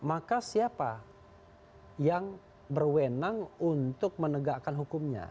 ada beberapa yang berwenang untuk menegakkan hukumnya